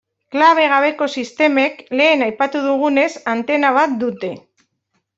Kable gabeko sistemek, lehen aipatu dugunez, antena bat dute.